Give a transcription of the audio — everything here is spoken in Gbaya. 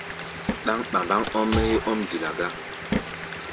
Ɗáŋ ɓambaŋ ɔ́m-mɛ́ héé ɔ́m dila gá!